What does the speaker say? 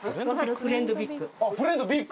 フレンドビッグ！